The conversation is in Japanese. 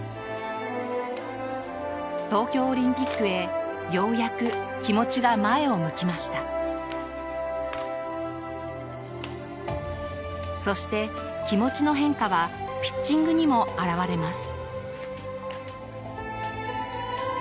東京オリンピックへようやく気持ちが前を向きましたそして、気持ちの変化はピッチングにも表れます